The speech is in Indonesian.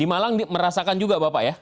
di malang merasakan juga bapak ya